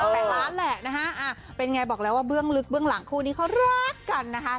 แต่ล้านแหละนะฮะเป็นไงบอกแล้วว่าเบื้องลึกเบื้องหลังคู่นี้เขารักกันนะคะ